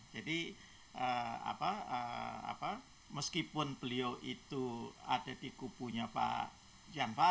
jadi meskipun beliau itu ada di kubunya pak ian farid tentu kami tidak boleh juga melihat yang di kubu sebelah bawah